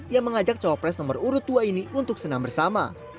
yang mengajak cowok pres nomor urut dua ini untuk senam bersama